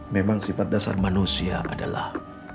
memang sifat dasar manusia adalah